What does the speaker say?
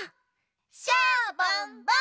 シャボンボン！